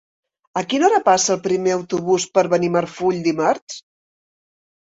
A quina hora passa el primer autobús per Benimarfull dimarts?